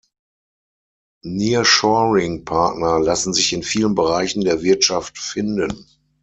Nearshoring-Partner lassen sich in vielen Bereichen der Wirtschaft finden.